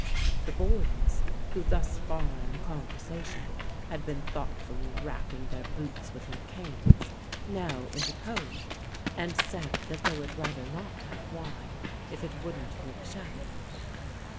The boys, who thus far in the conversation had been thoughtfully rapping their boots with their canes, now interposed, and said that they would rather not have wine if it wouldn't look shabby.